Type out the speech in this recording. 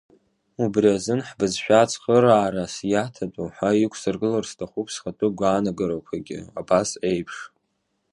Убри азын ҳбызшәа цхыраарас иаҭатәу ҳәа иқәсыргылар сҭахуп схатәы гәаанагарақәагьы абас еиԥш…